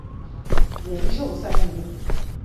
仁寿三年。